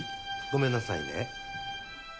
ごめんなさいね。